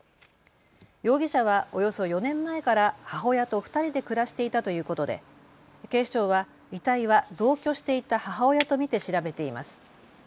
容疑者はおよそ４年前から母親と２人で暮らしていたということで警視庁は遺体は同居していた母親と見て調べています。